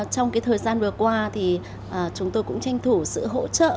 trong thời gian vừa qua thì chúng tôi cũng tranh thủ sự hỗ trợ